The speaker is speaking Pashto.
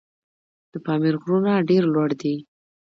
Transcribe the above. د پامیر غرونه ډېر لوړ دي.